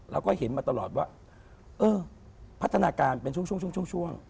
แล้วก็เห็นมาตลอดว่าเออพัฒนาการเป็นช่วงช่วง